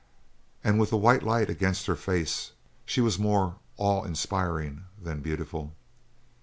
And with the white light against her face she was more awe inspiring than beautiful.